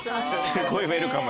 すごいウエルカム。